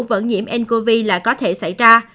vận nhiễm ncov là có thể xảy ra